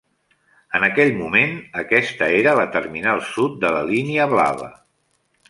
En aquell moment, aquesta era la terminal sud de la Línia Blava.